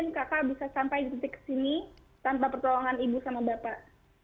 mungkin kakak bisa sampai sepetik kesini tanpa pertolongan ibu sama bapak